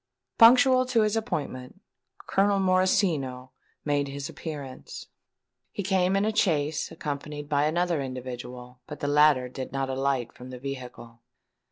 Punctual to his appointment, Colonel Morosino made his appearance. He came in a chaise, accompanied by another individual; but the latter did not alight from the vehicle.